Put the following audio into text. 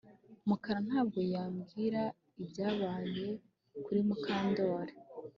Mukara ntabwo yambwira ibyabaye kuri Mukandoli